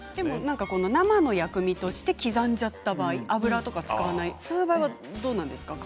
生の薬味として刻んじゃった場合油を使わない場合はどうですか。